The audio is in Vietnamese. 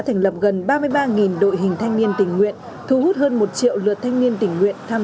thành lập gần ba mươi ba đội hình thanh niên tình nguyện thu hút hơn một triệu lượt thanh niên tình nguyện tham